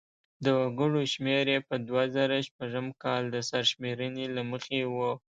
د وګړو شمیر یې په دوه زره شپږم کال د سرشمېرنې له مخې و.